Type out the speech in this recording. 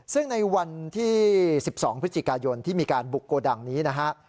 ซึ่งในวันที่๑๒พฤศจิกายนที่มีการบุกโกดังนี้นะฮะ